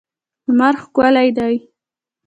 لمر ښکلی دی.